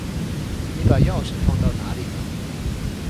你把钥匙放到哪里了？